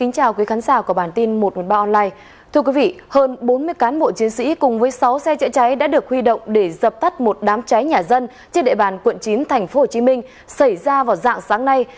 các bộ chiến sĩ cùng với sáu xe chạy cháy đã được huy động để dập tắt một đám cháy nhà dân trên đệ bàn quận chín tp hcm xảy ra vào dạng sáng nay